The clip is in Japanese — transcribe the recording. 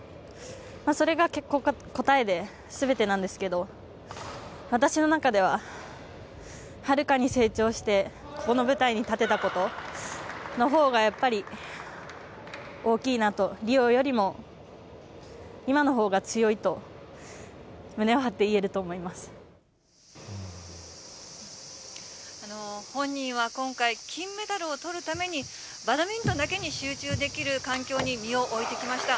それが答えで、すべてなんですけど、私の中では、はるかに成長してこの舞台に立てたことのほうがやっぱり大きいなと、リオよりも今のほうが強いと、本人は今回、金メダルをとるために、バドミントンだけに集中できる環境に身を置いてきました。